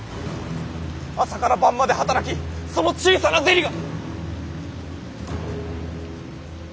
朝から晩まで働きその小さな銭が。